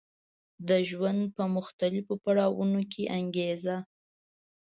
د ژوند په مختلفو پړاوونو کې انګېزه